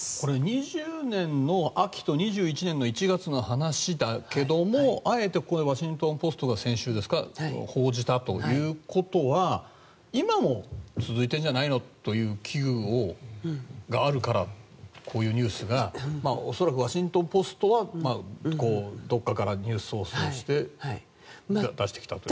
２０年の秋と２１年の１月の話だけどあえてここでワシントン・ポストが先週、報じたということは今も続いているんじゃないのという危惧があるからこういうニュースが恐らくワシントン・ポストはどこかからニュースを放送して出してきたという。